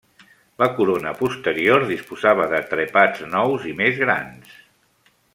La corona posterior disposava de trepats nous i més grans.